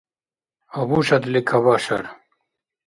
Абушадли — кабашар.